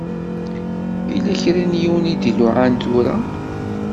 Yella kra n yiwen i d-iluɛan tura.